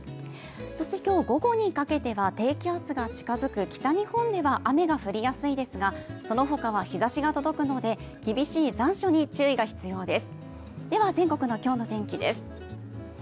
そして今日午後にかけては低気圧が近づく北日本では雨が降りやすいですがそのほかは日ざしが届くので厳しい残暑に注意が必要です。